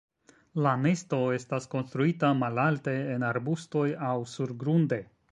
La nesto estas konstruita malalte en arbustoj aŭ surgrunde.